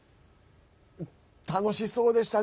楽しそうでしたね。